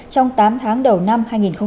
trong tám tháng đầu năm hai nghìn một mươi năm